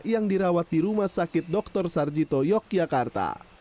yang dirawat di rumah sakit dr sarjito yogyakarta